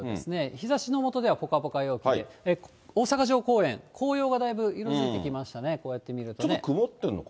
日ざしのもとではぽかぽか陽気で、大阪城公園、紅葉がだいぶ色づいてきましたね、こうやって見るとね。